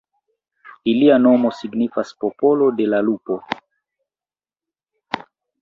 Ilia nomo signifas "popolo de la lupo".